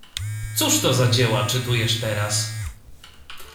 — Cóż to za dzieła czytujesz teraz?